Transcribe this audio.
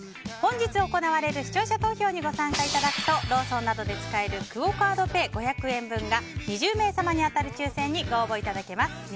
本日行われる視聴者投票にご参加いただくとローソンなどで使えるクオ・カードペイ５００円分が２０名様に当たる抽選にご応募いただけます。